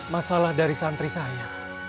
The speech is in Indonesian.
masalah dari santri saya